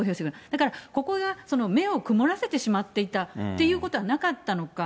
だから、ここが目を曇らせてしまっていたっていうことはなかったのか。